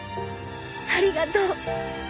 ありがとう。